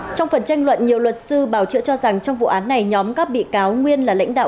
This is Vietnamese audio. trong phần tranh luận nhiều luật sư bảo chữa cho rằng trong vụ án này nhóm các bị cáo nguyên là lãnh đạo